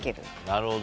なるほど。